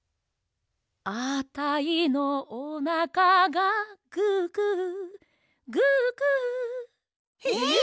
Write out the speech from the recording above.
「あたいのおなかがググググ」えっ！？